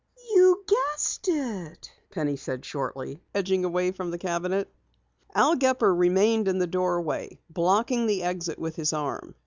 "You guessed it," said Penny shortly, edging away from the cabinet. Al Gepper remained in the doorway, blocking the exit with his arm.